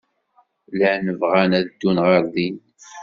Llan bɣan ad ddun ɣer din.